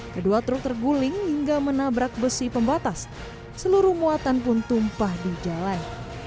kedua truk terguling hingga menabrak besi pembatas seluruh muatan pun tumpah di jalan